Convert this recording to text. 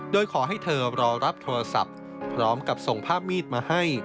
โดยขอให้เธอรอรับโทรศัพท์พร้อมกับส่งภาพมีดมาให้